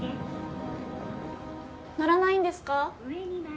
・・乗らないんですか？